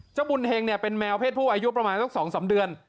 เจ้าบุญเฮงเป็นแมวเพศผู้อายุประมาณสักสองสามเดือน